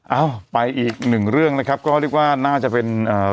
เอ้าไปอีกหนึ่งเรื่องนะครับก็เรียกว่าน่าจะเป็นเอ่อ